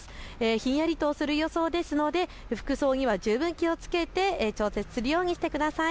ひんやりとする予想ですので服装には十分気をつけて調節するようにしてください。